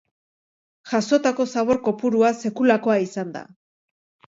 Jasotako zabor kopurua sekulakoa izan da.